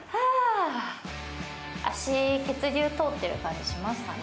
足、血流通っている感じしますかね？